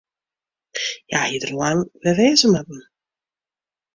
Hja hie der al lang wer wêze moatten.